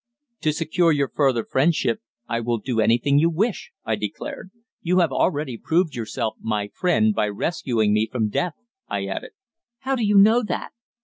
"To secure your further friendship, I will do anything you wish!" I declared. "You have already proved yourself my friend by rescuing me from death," I added. "How do you know that?"